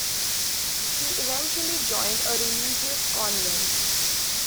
She eventually joined a religious convent.